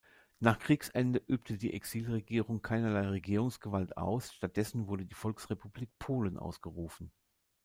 Nach Kriegsende übte die Exilregierung keinerlei Regierungsgewalt aus, stattdessen wurde die Volksrepublik Polen ausgerufen.